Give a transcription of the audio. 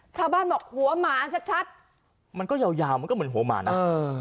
ชาวบ้านบอกหัวหมาชัดชัดมันก็ยาวยาวมันก็เหมือนหัวหมานะเออ